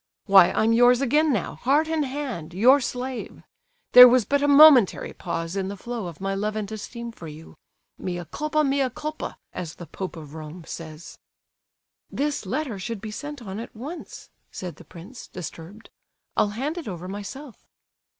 "Why, I'm yours again now, heart and hand, your slave; there was but a momentary pause in the flow of my love and esteem for you. Mea culpa, mea culpa! as the Pope of Rome says." "This letter should be sent on at once," said the prince, disturbed. "I'll hand it over myself."